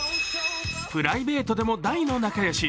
プライベートでも大の仲良し